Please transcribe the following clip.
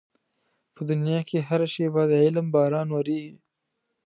په دنيا کې هره شېبه د علم باران ورېږي.